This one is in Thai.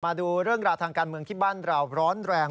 มาดูเรื่องราวทางการเมืองที่บ้านเราร้อนแรง